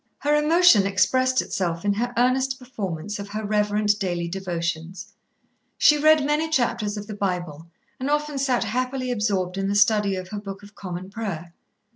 Her emotion expressed itself in her earnest performance of her reverent daily devotions. She read many chapters of the Bible, and often sat happily absorbed in the study of her Book of Common Prayer.